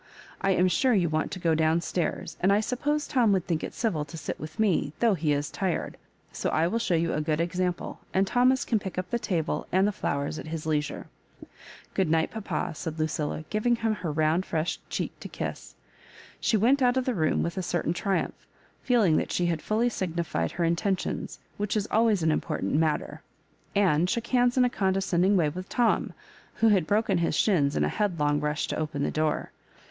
I am sure you want to go down stairs, and I suppose Tom would think it civil to sit with me, though he is tired ; so I will show you a good example, and Thomas can pick up the table and the flowers at his leisure. Grood night, papa," said LuciUa, giving him her round fresh cheek to kiss. She went out of the room with a certain triumph, feeUng that she had fully signified her intentions, which is always an im portant matter ; and shook hands in a con descending way with Tom, who had broken his shins in a headlong rush to open the door.